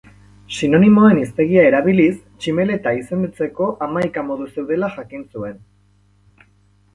Sinonimoen hiztegia erabiliz tximeleta izendatzeko hamaika modu zeudela jakin zuen.